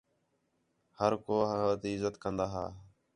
ہر کو ہو تی عِزّت کندا ھا